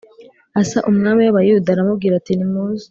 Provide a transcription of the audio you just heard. Asa umwami w Abayuda aramubwira ati nimuze